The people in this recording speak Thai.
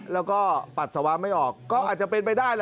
แล้วก็ปัสสาวะไม่ออกก็อาจจะเป็นไปได้แหละ